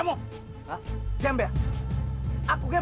p wan bukan pangan